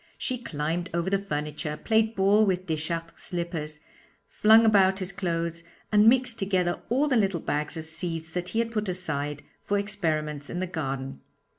She climbed over the furniture, played ball with Deschartres' slippers, flung about his clothes, and mixed together all the little bags of seeds that he had put aside for experiments in the garden.